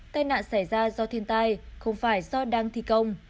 tai nạn xảy ra do thiên tai không phải do đang thi công